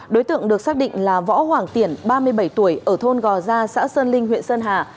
đối tượng được xác định là võ hoàng tiển ba mươi bảy tuổi ở thôn gò gia xã sơn linh huyện sơn hà